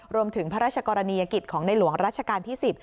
รวมถึงพระราชกรณียกิจของในหลวงรัชกาลที่๑๐